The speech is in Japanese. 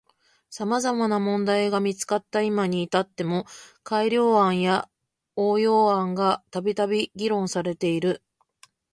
様々な問題点が見つかった今に至っても改良案や応用案がたびたび議論されている。